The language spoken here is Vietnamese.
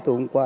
tối hôm qua